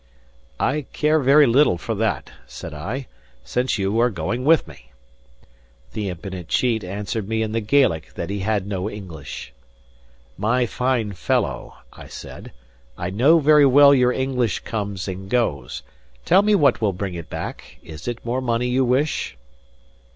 "I care very little for that," said I, "since you are going with me." The impudent cheat answered me in the Gaelic that he had no English. "My fine fellow," I said, "I know very well your English comes and goes. Tell me what will bring it back? Is it more money you wish?"